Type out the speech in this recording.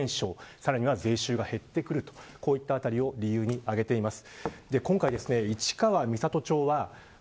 さらには税収が減ってくるこういうところを理由に挙げています。